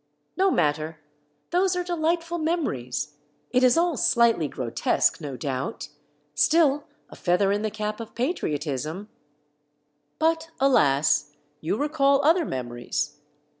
No matter ! those are dehghtful memories ; it is all slightly grotesque, no doubt, — still, a feather in the cap of patriotism. But alas ! you recall other memories